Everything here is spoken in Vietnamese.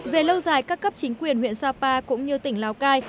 về lâu dài các cấp chính quyền huyện sapa cũng như tỉnh lào cai